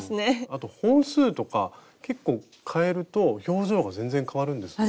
あと本数とか結構変えると表情が全然変わるんですね。